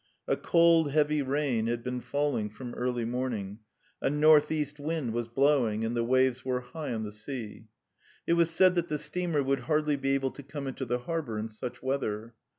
A cold, heavy rain had been falling from early morning, a north east wind was blowing, and the waves were high on the sea. It was said that the steamer would hardly be able to come into the harbour in such weather.